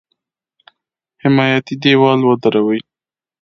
حمایتي دېوال ودروي.